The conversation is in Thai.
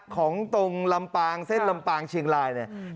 ของตรงลำปางเส้นลำปางเชียงรายเนี่ย